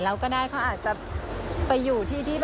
เราก็ได้เขาอาจจะไปอยู่ที่